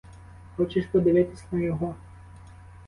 Хочеш подивитись на його?